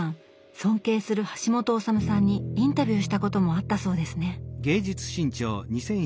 尊敬する橋本治さんにインタビューしたこともあったそうですね。